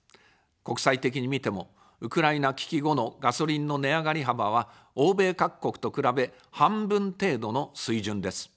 国際的に見ても、ウクライナ危機後のガソリンの値上がり幅は、欧米各国と比べ、半分程度の水準です。